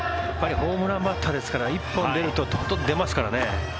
ホームランバッターですから一本が出るととことん出ますからね。